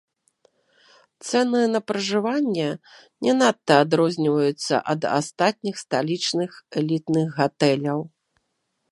Цэны на пражыванне не надта адрозніваюцца ад астатніх сталічных элітных гатэляў.